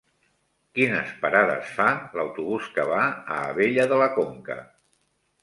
Quines parades fa l'autobús que va a Abella de la Conca?